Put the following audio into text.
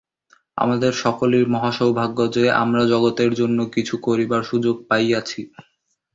আমাদের সকলেরই মহা সৌভাগ্য যে, আমরা জগতের জন্য কিছু করিবার সুযোগ পাইয়াছি।